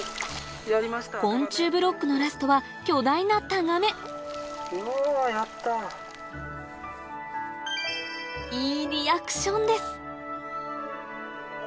昆虫ブロックのラストは巨大なタガメいいリアクションです